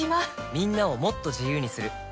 みんなをもっと自由にする「三菱冷蔵庫」